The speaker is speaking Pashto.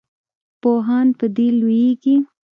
پوهان په دې لویږي.